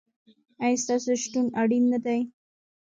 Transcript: ایا ستاسو شتون اړین نه دی؟